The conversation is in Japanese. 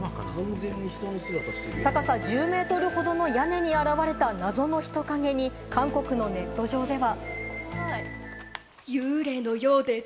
高さ１０メートルほどの屋根に現れた謎の人影に韓国のネット上では。